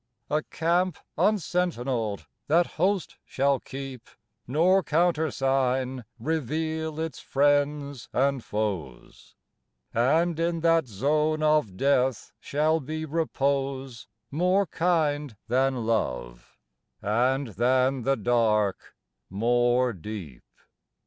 A camp unsentineled that host shall keep, Nor countersign reveal its friends and foes; And in that zone of death shall be repose More kind than love, and than the dark more deep.